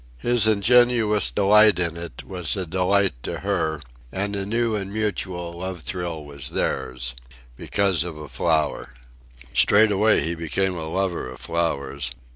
His ingenuous delight in it was a delight to her, and a new and mutual love thrill was theirs because of a flower. Straightway he became a lover of flowers.